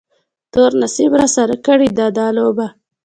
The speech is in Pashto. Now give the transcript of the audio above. تور نصیب راسره کړې ده دا لوبه